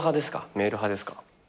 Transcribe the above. メール派ですか？